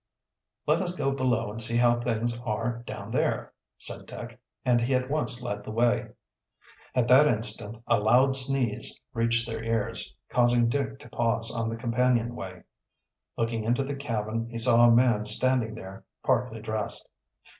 "Let us go below and see how things are down there," said Dick, and he at once led the way. At that instant a loud sneeze reached their ears, causing Dick to pause on the companion way. Looking into the cabin he saw a man standing there, partly dressed.